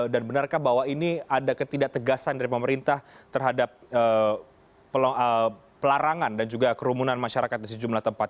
dan benarkah bahwa ini ada ketidak tegasan dari pemerintah terhadap pelarangan dan juga kerumunan masyarakat di sejumlah tempat